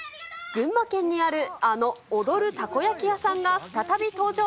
群馬県にある、あの踊るたこ焼き屋さんが再び登場。